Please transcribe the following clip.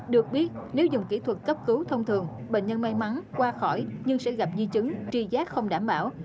được biết nếu dùng kỹ thuật cấp cứu thông thường bệnh nhân may mắn qua khỏi nhưng sẽ gặp di chứng truy giác không đảm bảo